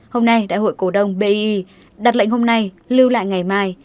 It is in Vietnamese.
hôm nay đại hội cổ đông bi đặt lệnh hôm nay lưu lại ngày mai